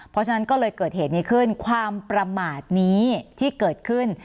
เพราะฉะนั้นก็เลยเกิดเหตุนี้ขึ้นความประมาทนี้ที่เกิดขึ้น